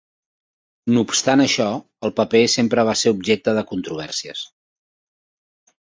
No obstant això, el paper sempre va ser objecte de controvèrsies.